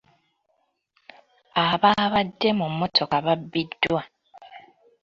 Abaabadde mu mmotoka babbiddwa.